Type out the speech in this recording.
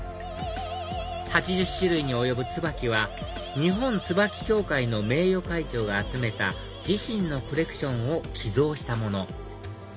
８０種類に及ぶツバキは日本ツバキ協会の名誉会長が集めた自身のコレクションを寄贈したもの